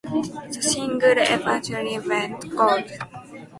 The single eventually went gold.